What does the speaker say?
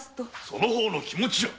その方の気持ちじゃ。